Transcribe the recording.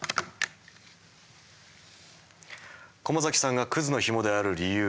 駒崎さんがクズのヒモである理由。